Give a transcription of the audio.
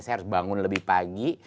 saya harus bangun lebih pagi